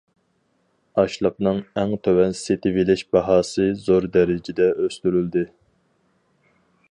ئاشلىقنىڭ ئەڭ تۆۋەن سېتىۋېلىش باھاسى زور دەرىجىدە ئۆستۈرۈلدى.